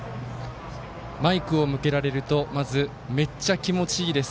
マイクを向けられるとめっちゃ気持ちいいです。